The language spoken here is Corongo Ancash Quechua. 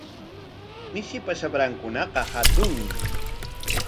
Mishipa shaprankunaqa hatunmi.